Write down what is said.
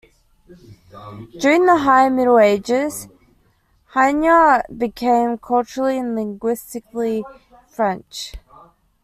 During the High Middle Ages, Hainaut became culturally and linguistically French.